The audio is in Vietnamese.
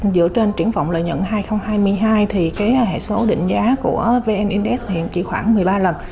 dựa trên triển vọng lợi nhuận hai nghìn hai mươi hai thì cái hệ số định giá của vn index hiện chỉ khoảng một mươi ba lần